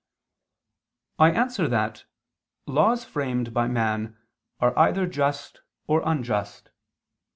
I answer that, Laws framed by man are either just or unjust.